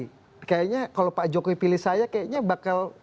jadi kayaknya kalau pak jokowi pilih saya kayaknya bakal